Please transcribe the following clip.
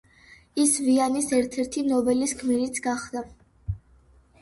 ის ვიანის ერთ-ერთი ნოველის გმირიც გახდა.